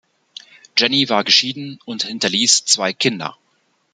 Jenny war geschieden und hinterliess zwei Kinder.